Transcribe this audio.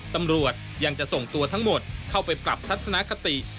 ตำรวจยังจะส่งตัวทั้งหมดเข้าไปปรับทัศนคติ